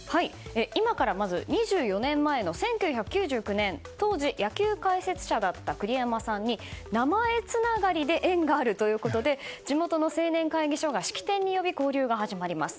今から２４年前の１９９９年当時野球解説者だった栗山さんに名前つながりで縁があるということで地元の青年会議所が式典に呼び交流が始まります。